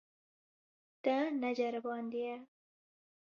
Te neceribandiye.